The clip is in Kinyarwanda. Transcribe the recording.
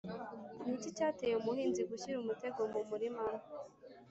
ni iki cyateye umuhinzi gushyira umutego mu murima